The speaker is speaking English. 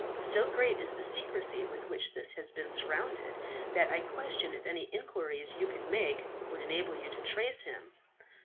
So great is the secrecy with which this has been surrounded, that I question if any inquiries you could make would enable you to trace him.